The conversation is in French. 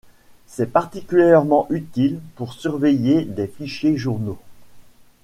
C'est particulièrement utile pour surveiller des fichiers journaux.